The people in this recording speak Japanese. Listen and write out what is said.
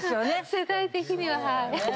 世代的にははい。